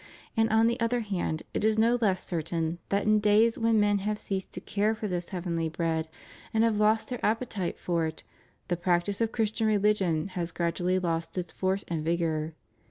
And on the other hand it is no less certain that in days when men have ceased to care for this heavenly bread, and have lost their appetite for it, the practice of Chris tian religion has gradually lost its force and vigor.